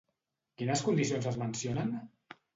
Quines condicions es mencionen?